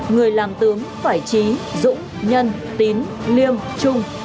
người làm tướng phải trí dũng nhân tín liêm trung